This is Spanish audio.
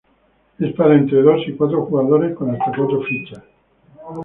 Es para entre dos y cuatro jugadores con hasta cuatro fichas.